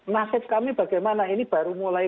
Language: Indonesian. nasib kami bagaimana ini baru mulai